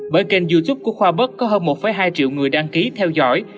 bởi kênh youtube của khoa burk có hơn một hai triệu người đăng ký theo dõi